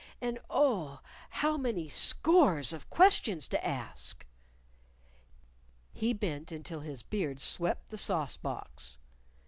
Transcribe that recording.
And, oh, how many scores of questions to ask! He bent until his beard swept the sauce box.